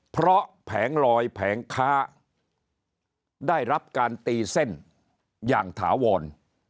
เพราะแผงลอยแผงค้าได้รับการตีเส้นอย่างถาวร